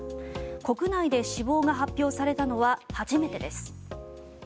国内で死亡が発表されたのは初めてです。